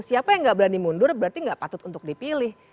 siapa yang nggak berani mundur berarti gak patut untuk dipilih